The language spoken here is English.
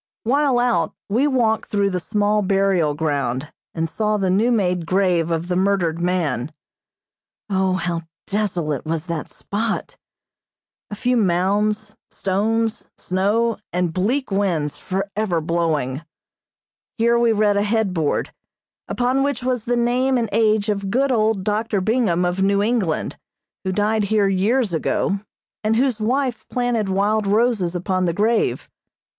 While out, we walked through the small burial ground, and saw the new made grave of the murdered man. O, how desolate was that spot! A few mounds, stones, snow and bleak winds forever blowing. Here we read a headboard, upon which was the name and age of good old Dr. Bingham of New England, who died here years ago, and whose wife planted wild roses upon the grave.